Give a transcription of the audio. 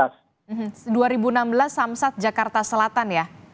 dua ribu enam belas samsat jakarta selatan ya